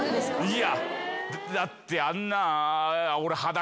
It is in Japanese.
いやだってあんな俺。